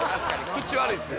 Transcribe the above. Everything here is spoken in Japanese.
口悪いっすね。